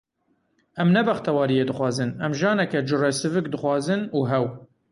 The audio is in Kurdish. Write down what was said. Em ne bextewariyê dixwazin, em janeke cure sivik dixwazin û hew.